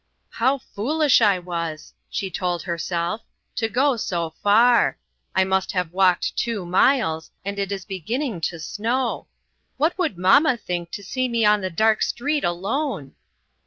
"How foolish I was," she told herself, "to go so far! I must have walked two miles, and it is beginning to snow. What would mamma think to see me on the dark street alone